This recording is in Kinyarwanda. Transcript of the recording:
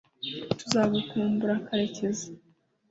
tuzagukumbura, karekezi